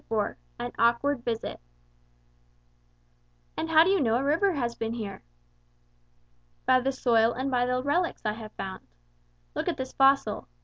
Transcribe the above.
IV AN AWKWARD VISIT "And how do you know a river has been here?" "By the soil and by the relics I have found. Look at this fossil.